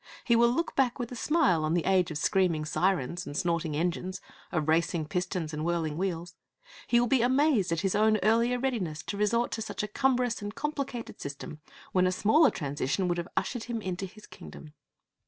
He will look back with a smile on the age of screaming syrens and snorting engines, of racing pistons and whirling wheels. He will be amazed at his own earlier readiness to resort to such a cumbrous and complicated system when a smaller transition would have ushered him into his kingdom.